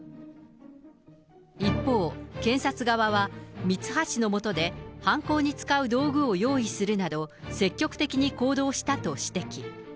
一方、検察側はミツハシの下で犯行に使う道具を用意するなど、積極的に行動したと指摘。